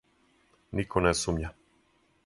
Нико не сумња.